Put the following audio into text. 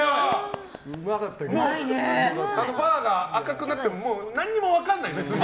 バーが赤くなっても何も分かんない。